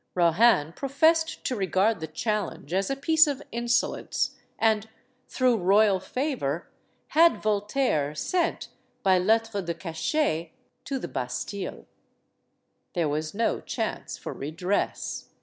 Rohan professed to regard the challenge as a piece of insolence, and, through royal favor, had Voltaire, sent, by lettre de cachet, to the ADRIENNE LECOUVREUR 125 Bastille. There was no chance for redress.